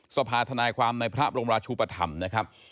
สภาธนายความในพระบรมราชุปธรรมนะครับ